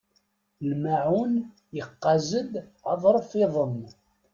Lmaεun yeqqaz-d aḍref-iḍen.